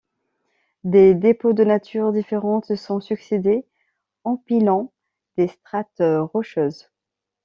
Des dépôts de natures différentes se sont succédé empilant des strates rocheuses.